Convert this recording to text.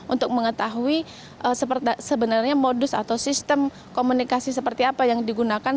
untuk mengetahui sebenarnya modus atau sistem komunikasi seperti apa yang digunakan